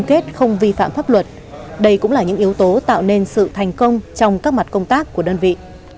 kết không vi phạm pháp luật đây cũng là những yếu tố tạo nên sự thành công trong các mặt công tác của đơn vị